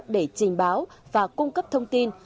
để trình báo và cung cấp thông tin